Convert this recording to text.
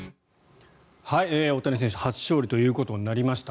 大谷選手初勝利ということになりました。